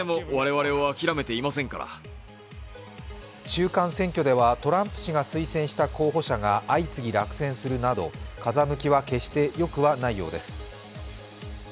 中間選挙ではトランプ氏が推薦した候補者が相次ぎ落選するなど風向きは決してよくはないようです。